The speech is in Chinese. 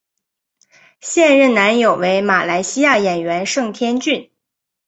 现任男友为马来西亚演员盛天俊。